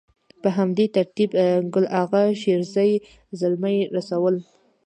په همدې ترتيب ګل اغا شېرزي، زلمي رسول.